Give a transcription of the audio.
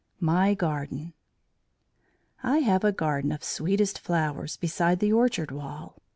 MY GARDEN I have a garden of sweetest flowers, Beside the orchard wall.